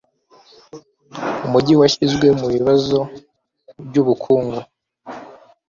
umujyi washyizwe mubibazo byubukungu